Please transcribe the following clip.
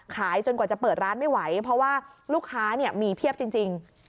จนกว่าจะเปิดร้านไม่ไหวเพราะว่าลูกค้ามีเพียบจริง